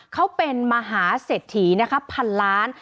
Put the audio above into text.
เขาเป็นมหาเสถียนนะคะ๑๐๐๐ล้าน